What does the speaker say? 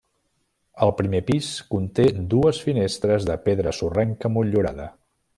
El primer pis conté dues finestres de pedra sorrenca motllurada.